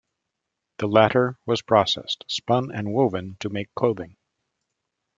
The latter was processed, spun and woven to make clothing.